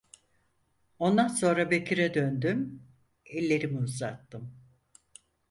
Ondan sonra Bekir'e döndüm, ellerimi uzattım.